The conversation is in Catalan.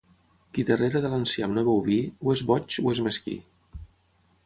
Qui darrere de l'enciam no beu vi, o [és] boig o [és] mesquí.